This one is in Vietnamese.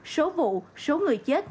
số vụ số người chết